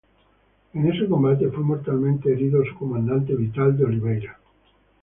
En ese combate fue mortalmente herido su comandante Vital de Oliveira.